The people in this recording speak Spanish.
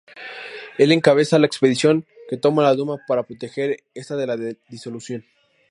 Él encabeza la expedición que toma la Duma para proteger esta de la disolución.